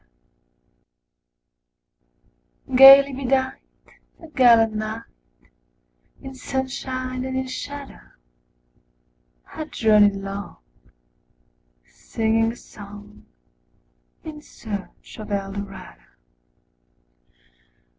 0 Gaily bedight, A gallant knight, In sunshine and in shadow, Had journeyed long, Singing a song, In search of Eldorado.